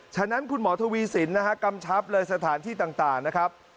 ฉะนั้นคุณหมอทวีสินนะฮะกำชับเลยสถานที่ต่างนะครับ